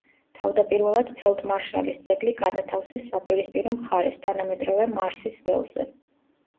თავდაპირველად ფელდმარშალის ძეგლი განათავსეს საპირისპირო მხარეს თანამედროვე მარსის ველზე.